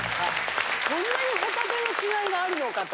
こんなにホタテの違いがあるのかと。